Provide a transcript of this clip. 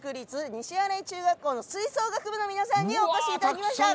西新井中学校の吹奏楽部の皆さんにお越しいただきました。